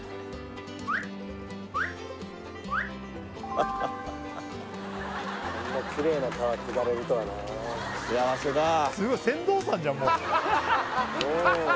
ハッハッハッハこんなキレイな川下れるとはなあ幸せだあ